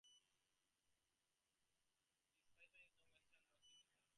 The specimen is now at Western Washington University.